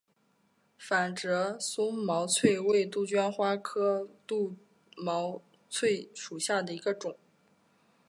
反折松毛翠为杜鹃花科松毛翠属下的一个种。